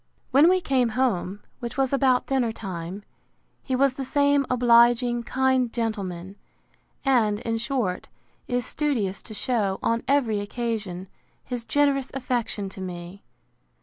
When we came home, which was about dinner time, he was the same obliging, kind gentleman; and, in short, is studious to shew, on every occasion, his generous affection to me.